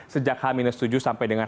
sejak h tujuh sampai dengan